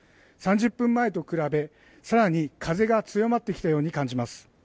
３０分前と比べ、更に風が強まってきたように感じます。